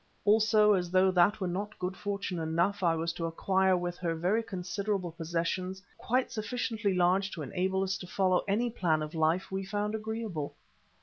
Also, as though that were not good fortune enough, I was to acquire with her very considerable possessions, quite sufficiently large to enable us to follow any plan of life we found agreeable.